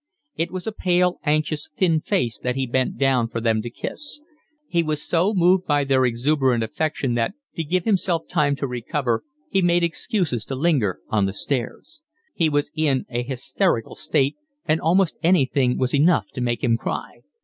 It was a pale, anxious, thin face that he bent down for them to kiss. He was so moved by their exuberant affection that, to give himself time to recover, he made excuses to linger on the stairs. He was in a hysterical state and almost anything was enough to make him cry.